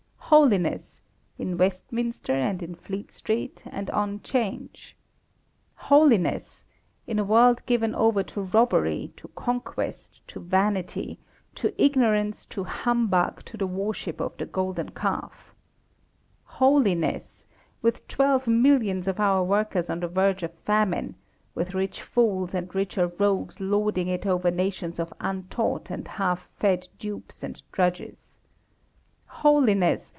Holiness! In Westminster, and in Fleet Street, and on 'Change. Holiness! In a world given over to robbery, to conquest, to vanity, to ignorance, to humbug, to the worship of the golden calf. Holiness! With twelve millions of our workers on the verge of famine, with rich fools and richer rogues lording it over nations of untaught and half fed dupes and drudges. Holiness!